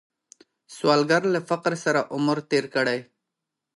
سوالګر له فقر سره عمر تیر کړی